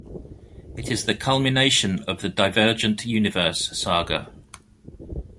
It is the culmination of the "Divergent Universe" saga.